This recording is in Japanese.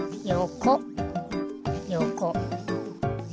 よこ。